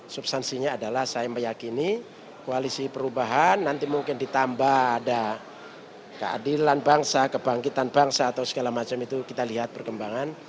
substansinya adalah saya meyakini koalisi perubahan nanti mungkin ditambah ada keadilan bangsa kebangkitan bangsa atau segala macam itu kita lihat perkembangan